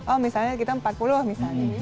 oh misalnya kita empat puluh misalnya